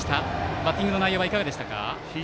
バッティングの内容はいかがでしたか。